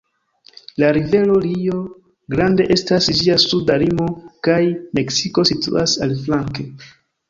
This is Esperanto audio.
La rivero Rio Grande estas ĝia suda limo, kaj Meksiko situas aliflanke.